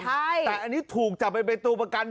ใช่แต่อันนี้ถูกจับไปเป็นตัวประกัน